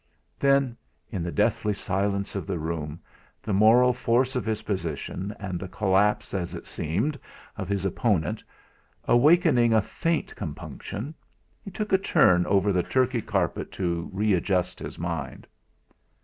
Then, in the deathly silence of the room, the moral force of his position, and the collapse as it seemed of his opponent, awakening a faint compunction, he took a turn over the Turkey carpet to readjust his mind.